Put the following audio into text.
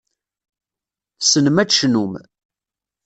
Tessnem ad tecnum.